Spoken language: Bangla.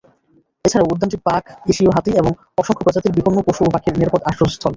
এছাড়াও উদ্যানটি বাঘ, এশীয় হাতি ও অসংখ্য প্রজাতির বিপন্ন পশু ও পাখির নিরাপদ আশ্রয়স্থল।